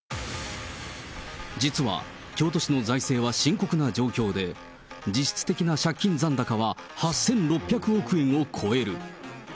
実は、京都市の財政は深刻な状況で、実質的な借金残高は８６００億円を超える。